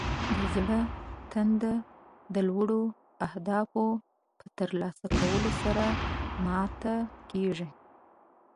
د زړه تنده د لوړو اهدافو په ترلاسه کولو سره ماته کیږي.